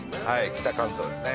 北関東ですね。